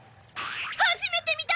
初めて見た！